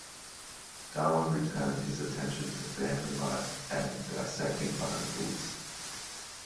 Darwin returned his attention to family life and dissecting barnacles.